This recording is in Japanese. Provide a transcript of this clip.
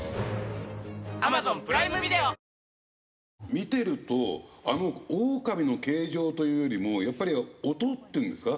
見てるとあのオオカミの形状というよりもやっぱり音っていうんですか？